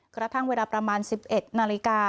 กระทั่งเวลาประมาณ๑๑นาฬิกา